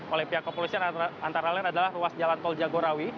oleh pihak kepolisian antara lain adalah ruas jalan tol jagorawi